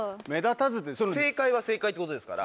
正解は正解ってことですから。